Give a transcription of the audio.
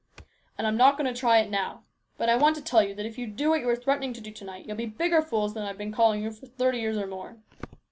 " And I'm not going to try it now. But I want to tell you that if you do what you are threatening to do to night, you'll be bigger fools than I've been calling you for thirty years or more.